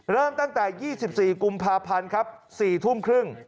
เริ่มตั้งแต่๒๔กุมภาพันธ์ครับ๔ทุ่มครึ่ง